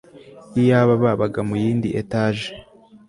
iyaba babaga muyindi etage